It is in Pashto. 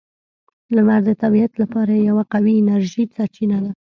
• لمر د طبیعت لپاره یوه قوی انرژي سرچینه ده.